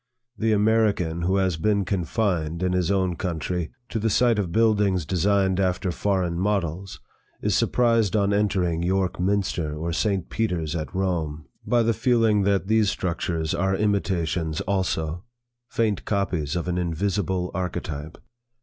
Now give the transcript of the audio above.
The American who has been confined, in his own country, to the sight of buildings designed after foreign models, is surprised on entering York Minster or St. Peter's at Rome, by the feeling that these structures are imitations also, faint copies of an invisible archetype.